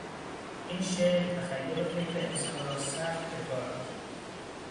این شعر تخیل و فکر انسان را سخت به کار میگیرد.